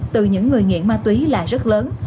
từ những người nghiện ma túy là rất lớn